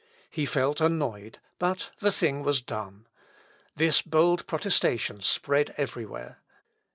He felt annoyed, but the thing was done. This bold protestation spread every where.